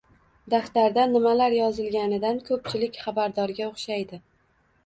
Daftarda nimalar yozilganidan ko`pchilik xabardorga o`xshaydi